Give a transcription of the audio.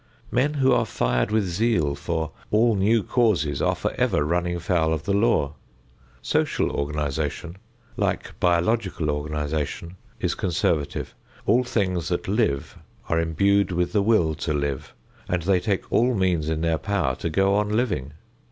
Men who are fired with zeal for all new causes are forever running foul of the law. Social organization, like biological organization, is conservative. All things that live are imbued with the will to live and they take all means in their power to go on living.